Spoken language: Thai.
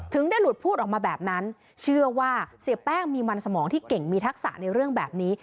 ได้หลุดพูดออกมาแบบนั้นเชื่อว่าเสียแป้งมีมันสมองที่เก่งมีทักษะในเรื่องแบบนี้